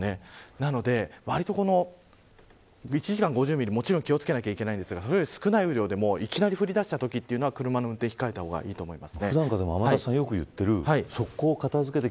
なので１時間５０ミリももちろん気を付けなければいけませんが少ない雨量でも、いきなり降り出したときは車の運転は控えた方がいいと思います。